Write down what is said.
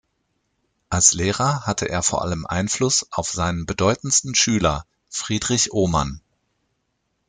Als Lehrer hatte er vor allem Einfluss auf seinen bedeutendsten Schüler Friedrich Ohmann.